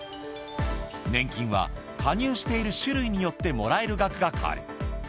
年金は、加入している種類によってもらえる額が変わる。